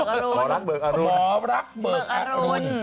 หมอลักษณ์เบิกอรุณหมอลักษณ์เบิกอรุณ